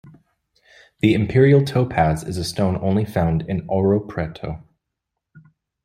The imperial topaz is a stone only found in Ouro Preto.